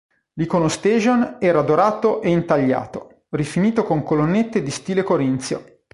L'Iconostasion era dorato ed intagliato, rifinito con colonnette di stile corinzio.